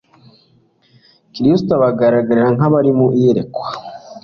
Kristo abagaragarira nk'abari mu iyerekwa.